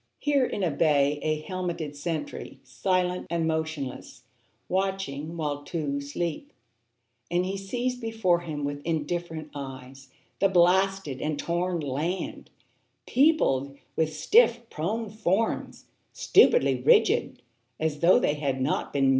Here in a bay, a helmeted sentry Silent and motionless, watching while two sleep, And he sees before him With indifferent eyes the blasted and torn land Peopled with stiff prone forms, stupidly rigid, As tho' they had not been men.